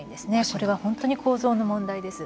それは本当に構造の問題です。